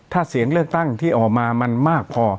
ถ้าเสียงเลือกตั้งที่ออกมามันมากพอ